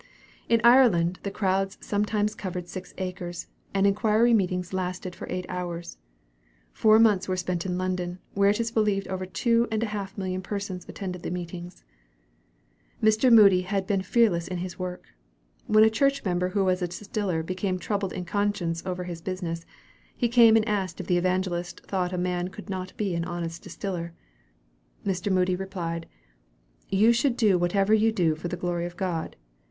In Ireland the crowds sometimes covered six acres, and inquiry meetings lasted for eight hours. Four months were spent in London, where it is believed over two and a half million persons attended the meetings. Mr. Moody had been fearless in his work. When a church member who was a distiller became troubled in conscience over his business, he came and asked if the evangelist thought a man could not be an honest distiller. Mr. Moody replied, "You should do whatever you do for the glory of God.